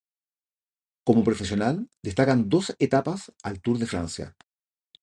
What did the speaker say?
Como profesional destacan dos etapas al Tour de Francia.